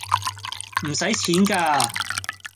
唔使錢㗎